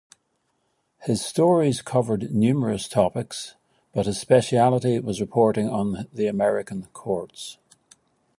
His stories covered numerous topics, but his specialty was reporting on the American courts.